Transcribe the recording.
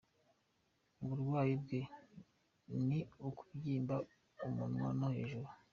Uburwayi bwe ni ukubyimba umunwa wo hejuru.